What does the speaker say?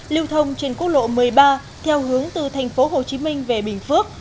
lưu thông trên quốc lộ một mươi ba theo hướng từ thành phố hồ chí minh về bình phước